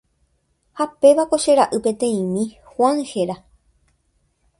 Ha pévako che ra'y peteĩmi Juan héra.